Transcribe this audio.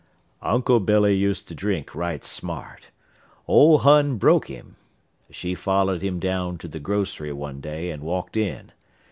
"Uncle Billy used to drink right smart. Ole Hon broke him. She followed him down to the grocery one day and walked in.